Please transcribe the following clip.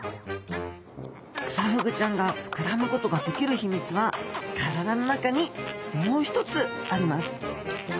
クサフグちゃんが膨らむことができる秘密は体の中にもう一つあります